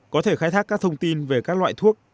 có thể khai thác các thông tin về các loại thuốc